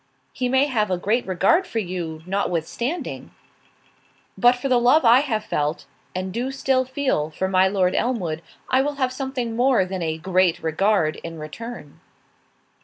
"He may have a great regard for you, notwithstanding." "But for the love I have felt, and do still feel, for my Lord Elmwood, I will have something more than a great regard in return."